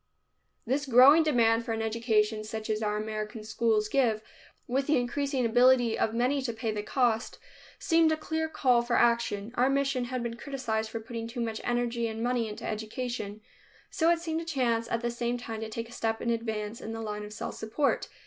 This growing demand for an education such as our American schools give, with the increasing ability of many to pay the cost, seemed a clear call for action. Our mission had been criticized for putting too much energy and money into education, so it seemed a chance at the same time to take a step in advance in the line of self support.